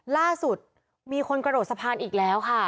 ล่าสุดมีคนกระโดดสะพานอีกแล้วค่ะ